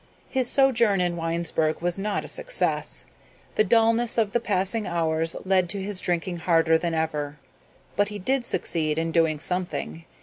His sojourn in Winesburg was not a success. The dullness of the passing hours led to his drinking harder than ever. But he did succeed in doing something.